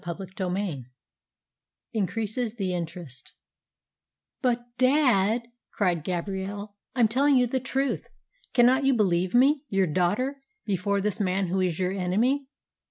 CHAPTER XXXVII INCREASES THE INTEREST "But, dad," cried Gabrielle, "I am telling you the truth! Cannot you believe me, your daughter, before this man who is your enemy?"